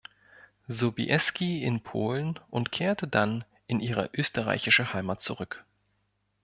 Sobieski in Polen und kehrte dann in ihre österreichische Heimat zurück.